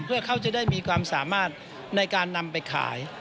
เพื่อเขาจะได้มีความสามารถในการนำไปขาย